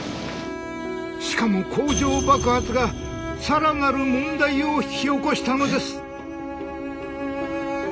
しかも工場爆発がさらなる問題を引き起こしたのです。